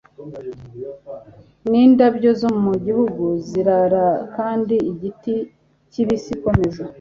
nindabyo zo mugihugu zirara kandi igiti kibisi komeza